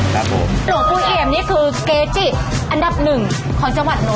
หลวงปู่เอี่ยมนี่คือเกจิอันดับหนึ่งของจังหวัดนน